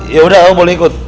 ya udah aku boleh ikut